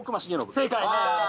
正解！